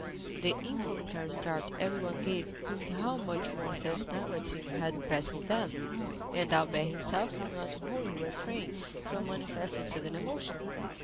The involuntary start everyone gave proved how much Morcerf's narrative had impressed them, and Albert himself could not wholly refrain from manifesting sudden emotion.